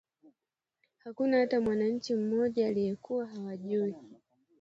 Hakuna hata mwananchi mmoja aliyekuwa hawajui